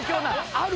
ある？